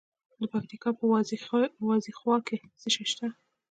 د پکتیکا په وازیخوا کې څه شی شته؟